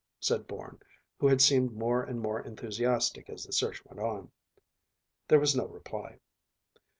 said Bourne, who had seemed more and more enthusiastic as the search went on. There was no reply.